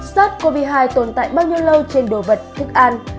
sars cov hai tồn tại bao nhiêu lâu trên đồ vật thức an